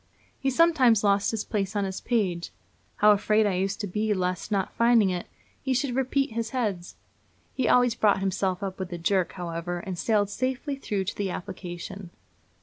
He sometimes lost his place on his page. How afraid I used to be lest, not finding it, he should repeat his heads! He always brought himself up with a jerk, however, and sailed safely through to the application.